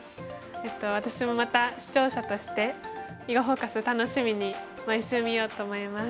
私もまた視聴者として「囲碁フォーカス」楽しみに毎週見ようと思います。